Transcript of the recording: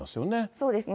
そうですね。